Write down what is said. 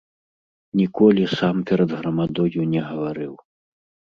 Ніколі сам перад грамадою не гаварыў.